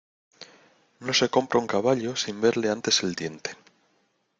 no se compra un caballo sin verle antes el diente.